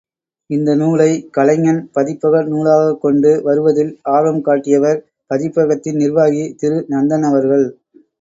இந்த நூலை, கலைஞன் பதிப்பக நூலாகக்கொண்டு வருவதில் ஆர்வம் காட்டியவர், பதிப்பகத்தின் நிர்வாகி, திரு நந்தன் அவர்கள்.